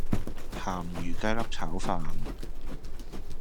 咸魚雞粒炒飯